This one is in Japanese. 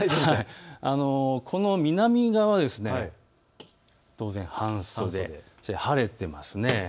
この南側、当然、半袖、晴れています。